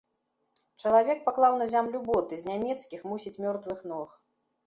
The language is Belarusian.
Чалавек паклаў на зямлю боты з нямецкіх, мусіць мёртвых, ног.